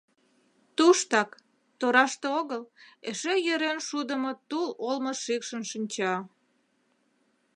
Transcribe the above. Туштак, тораште огыл, эше йӧрен шудымо тул олмо шикшын шинча.